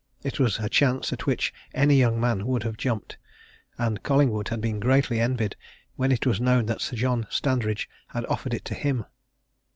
It was a chance at which any young man would have jumped, and Collingwood had been greatly envied when it was known that Sir John Standridge had offered it to him.